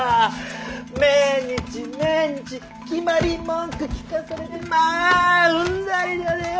毎日毎日決まり文句聞かされてまううんざりだでよ。